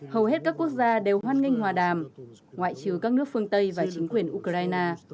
hầu hết các quốc gia đều hoan nghênh hòa đàm ngoại trừ các nước phương tây và chính quyền ukraine